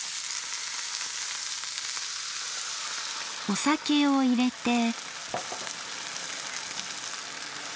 お酒を入れて。